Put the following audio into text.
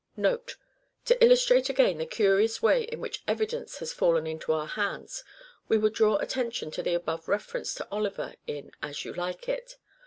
Note. To illustrate again the curious way in which evidence has fallen into our hands, we would draw attention to the above reference to Oliver in "As You Like It."